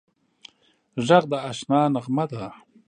غږ د اشنا نغمه ده